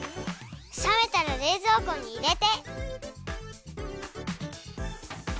さめたられいぞうこにいれて。